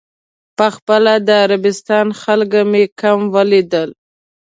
په خپله د عربستان خلک مې کم ولیدل.